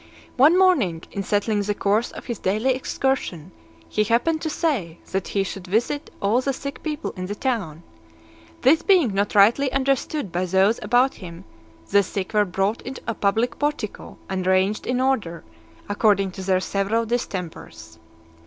One morning, in settling the course of his daily excursion, he happened to say, that he should visit all the sick people in the town. This being not rightly understood by those about him, the sick were brought into a public portico, and ranged in order, according to their several distempers.